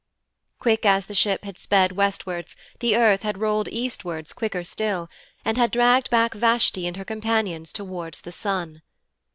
Quick as the ship had sped westwards, the earth had rolled eastwards quicker still, and had dragged back Vashti and her companions towards the sun.